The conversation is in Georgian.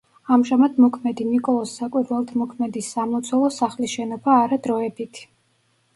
ამჟამად მოქმედი ნიკოლოზ საკვირველთმოქმედის სამლოცველო სახლის შენობა არა დროებითი.